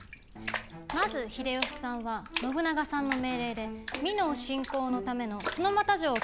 まず秀吉さんは信長さんの命令で美濃侵攻のための墨俣城を築き上げます。